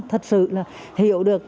thật sự là hiểu được